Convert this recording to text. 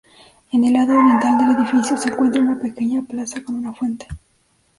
En el lado oriental del edificio se encuentra una pequeña plaza con una fuente.